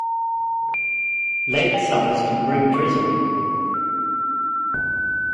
Late summers can bring drizzle.